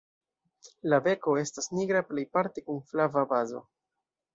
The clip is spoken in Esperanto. La beko estas nigra plejparte kun flava bazo.